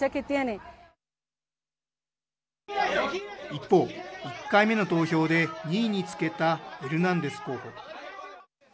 一方、１回目の投票で２位につけたエルナンデス候補。